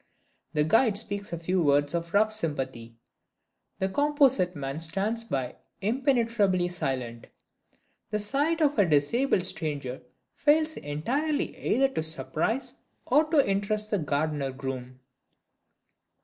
The guide speaks a few words of rough sympathy. The composite man stands by impenetrably silent; the sight of a disabled stranger fails entirely either to surprise or to interest the gardener groom.